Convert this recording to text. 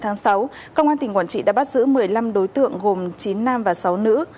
ba mươi tháng sáu công an tỉnh quản trị đã bắt giữ một mươi năm đối tượng gồm chín nam và sáu nữ